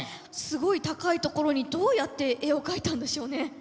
すごい高い所にどうやって絵を描いたんでしょうね？